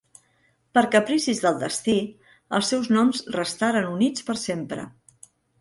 Per capricis del destí, els seus noms restaren units per sempre.